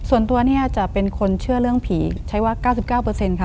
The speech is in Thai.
ส่วนตัวเนี่ยจะเป็นคนเชื่อเรื่องผีใช้ว่า๙๙ค่ะ